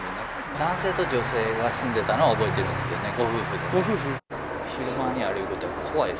男性と女性が住んでたのは覚えてるんですけどね、ご夫婦で。